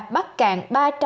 bắc cạn ba trăm năm mươi bảy